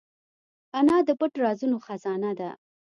انا د پټ رازونو خزانه ده